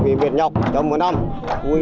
vì miệt nhọc trong một năm vui